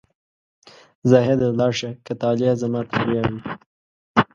زاهده لاړ شه که طالع زما طالع وي.